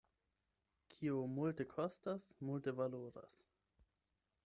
Kio multe kostas, multe valoras.